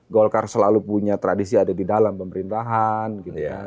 golkar selalu punya tradisi ada di dalam pemerintahan gitu ya